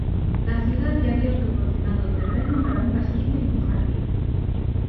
La ciudad le había proporcionado terreno para un castillo y un jardín.